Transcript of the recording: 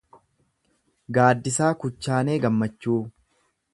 Gaaddisaa Kuchaanee Gammachuu